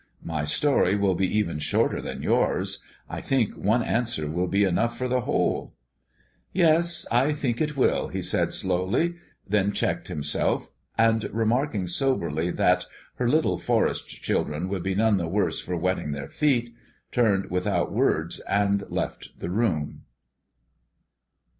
My story will be even shorter than yours. I think one answer will be enough for the whole." "Yes, I think it will," he said slowly, then checked himself, and, remarking soberly that "her little forest children would be none the worse for wetting their feet," turned, without further words, and left the room.